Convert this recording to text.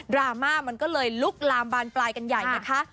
ราม่ามันก็เลยลุกลามบานปลายกันใหญ่นะคะ